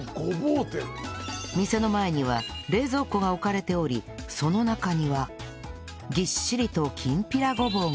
店の前には冷蔵庫が置かれておりその中にはぎっしりときんぴらごぼうが